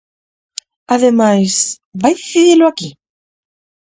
Ademais, ¿vai decidilo aquí?